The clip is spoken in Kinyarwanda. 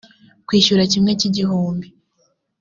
kwishyura kimwe cy igihumbi